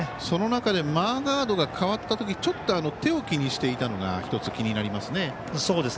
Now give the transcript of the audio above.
その中でマーガードが代わったときにちょっと手を気にしていたのが１つ、気になりますね。